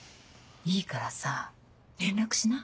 いいからさ連絡しな？